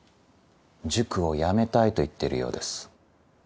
塾をやめたいと言ってるようです。